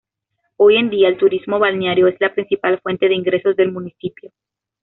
Hoy en día, el turismo balneario es la principal fuente de ingresos del municipio.